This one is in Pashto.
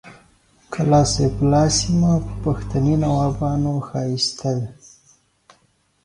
کلا سیف الله سیمه په پښتني نوابانو ښایسته ده